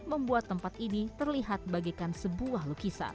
membuat tempat ini terlihat bagaikan sebuah lukisan